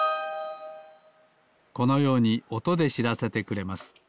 このようにおとでしらせてくれます。